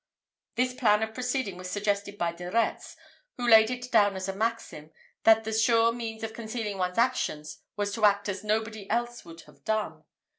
This plan of proceeding was suggested by De Retz, who laid it down as a maxim, that the sure means of concealing one's actions was to act as nobody else would have done.